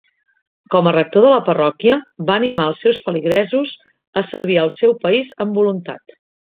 Com a rector de la parròquia, va animar els seus feligresos a servir el seu país amb voluntat.